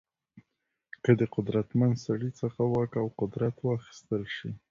که د قدرتمن سړي څخه واک او قدرت واخیستل شي.